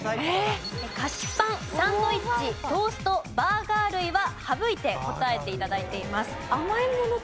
菓子パンサンドイッチトーストバーガー類は省いて答えて頂いています。